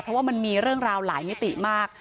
เพราะว่ามันมีเรื่องราวหลายมิติมาก